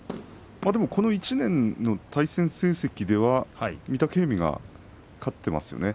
この１年の対戦成績では御嶽海が勝っていますよね。